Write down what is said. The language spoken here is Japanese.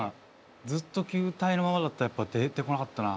ずっと球体のままだったらやっぱ出てこなかったな。